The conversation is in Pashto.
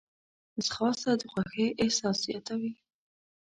ځغاسته د خوښۍ احساس زیاتوي